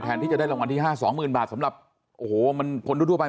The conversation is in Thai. ที่จะได้รางวัลที่๕๒๐๐๐บาทสำหรับโอ้โหมันคนทั่วไป